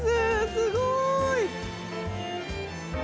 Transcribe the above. すごい！